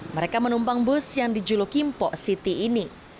mereka menumpang bus yang dijuluki mpok city ini